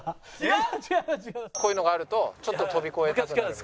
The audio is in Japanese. こういうのがあるとちょっと跳び越えたくなる？